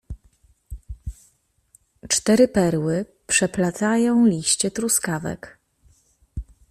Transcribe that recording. "Cztery perły przeplatają liście truskawek."